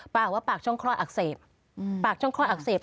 ว่าปากช่องคลอดอักเสบปากช่องคลอดอักเสบ